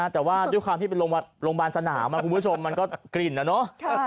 แต่ว่าด้วยความที่เป็นโรงพยาบาลสนามคุณผู้ชมมันก็กลิ่นนะเนอะ